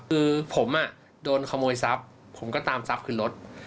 คือผมโดนขโมยทรัพย์ผมก็ตามทรัพย์ขึ้นรถ